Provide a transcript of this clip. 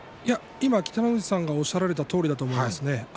北の富士さんがおっしゃられたとおりだと思いますね。